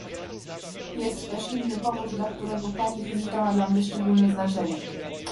Jest też inny powód, dla którego pani wizyta ma dla mnie szczególne znaczenie